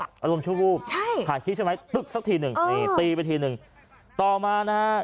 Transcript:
อารมณ์ชุกวูบถ่ายคลิปใช่ไหมสักทีนึงตีไปทีนึงต่อมานะ